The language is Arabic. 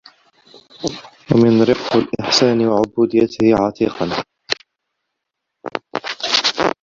وَمِنْ رِقِّ الْإِحْسَانِ وَعُبُودِيَّتِهِ عَتِيقًا